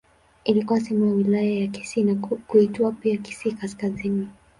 Ilikuwa sehemu ya Wilaya ya Kisii na kuitwa pia Kisii Kaskazini.